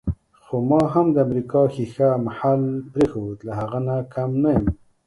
خو ما هم د امریکا ښیښه محل پرېښود، له هغه نه کم نه یم.